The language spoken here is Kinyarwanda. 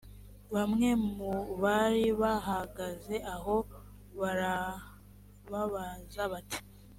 bamwe mu bari bahagaze aho barababaza bati